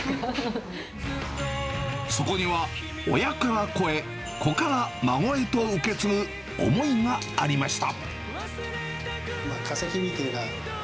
そこには親から子へ、子から孫へと受け継ぐ思いがありました。